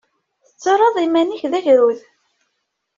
Tettarraḍ iman-ik d agrud.